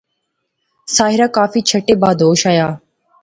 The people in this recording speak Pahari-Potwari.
ساحرہ کافی چھٹے بعد ہوش آیا